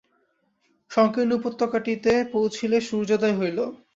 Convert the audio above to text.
সঙ্কীর্ণ উপত্যকাটিতে পৌঁছিলে সূর্যোদয় হইল।